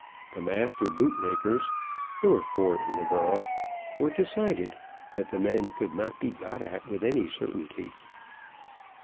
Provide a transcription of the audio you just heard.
The master bootmakers, there were four in the borough, were decided; but the men could not be got at with any certainty.